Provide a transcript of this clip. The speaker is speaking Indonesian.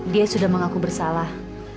dia sudah mengaku bersalah